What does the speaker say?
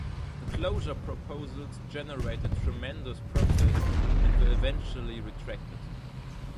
The closure proposals generated tremendous protest and were eventually retracted.